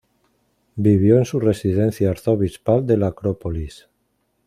Vivió en su residencia arzobispal de la Acrópolis.